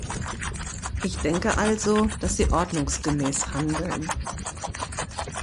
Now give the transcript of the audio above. Ich denke also, dass Sie ordnungsgemäß handeln.